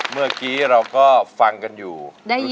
เมื่อกี้เราก็ฟังกันอยู่ได้ยิน